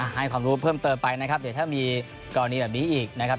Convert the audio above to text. ให้ความรู้เพิ่มเติมไปนะครับเดี๋ยวถ้ามีกรณีแบบนี้อีกนะครับ